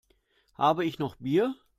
Habe ich noch Bier?